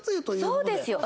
そうですよ。